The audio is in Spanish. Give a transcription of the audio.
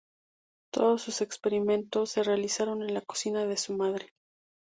Todos sus experimentos se realizaron en la cocina de su madre.